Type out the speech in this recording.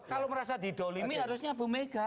kalau merasa didolimi harusnya bu mega